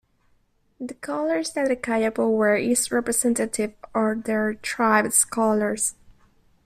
The colors that the Kayapo wear is representative of their tribes colors.